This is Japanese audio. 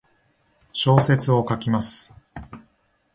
小説を書きます。